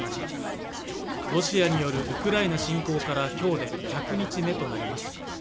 ロシアによるウクライナ侵攻からきょうで１００日目となります